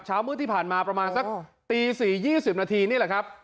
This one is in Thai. เช้ามืดที่ผ่านมาประมาณสักตีสี่ยี่สิบนาทีนี่แหละครับ